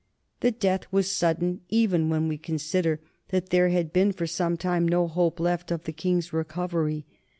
The death was sudden, even when we consider that there had been for some time no hope left of the King's recovery.